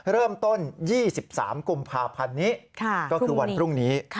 เริ่มต้น๒๓กุมภาพันธ์นี้ก็คือวันพรุ่งนี้